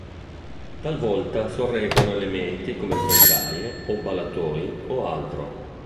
Talvolta sorreggono elementi come grondaie o ballatoi o altro.